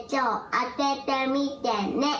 あててみてね！